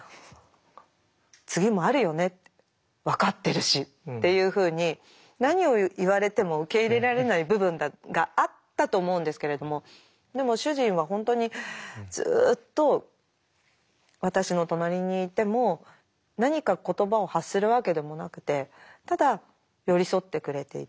「次もあるよね」って分かってるしっていうふうに何を言われても受け入れられない部分があったと思うんですけれどもでも主人は本当にずっと私の隣にいても何か言葉を発するわけでもなくてただ寄り添ってくれていて。